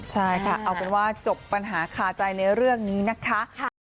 ใช่ค่ะเอาเป็นว่าจบปัญหาคาใจในเรื่องนี้นะคะ